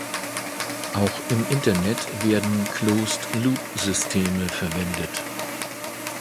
Auch im Internet werden Closed-Loop-Systeme verwendet.